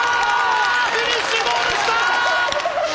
フィニッシュゴールした！